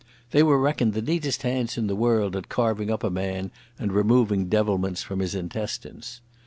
They were reckoned the neatest hands in the world at carving up a man and removing devilments from his intestines.